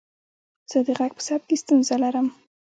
زه د غږ په ثبت کې ستونزه لرم.